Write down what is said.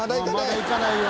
「まだ行かないよ！」